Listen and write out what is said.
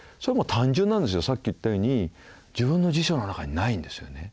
さっき言ったように自分の辞書の中にないんですよね。